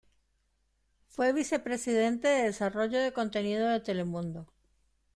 Fue vicepresidente de desarrollo de contenido de Telemundo.